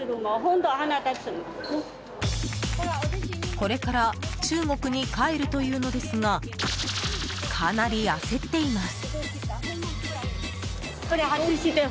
これから中国に帰るというのですがかなり焦っています。